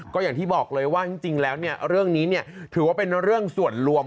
ก็อย่างที่บอกเลยว่าจริงแล้วเรื่องนี้ถือว่าเป็นเรื่องส่วนรวม